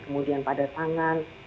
kemudian pada tangan